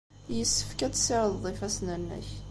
Yessefk ad tessirdeḍ ifassen-nnek.